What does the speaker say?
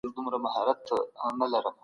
ښوونځی د ماشومانو د شخصیت جوړونې بنسټ دی.